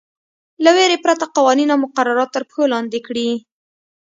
له وېرې پرته قوانین او مقررات تر پښو لاندې کړي.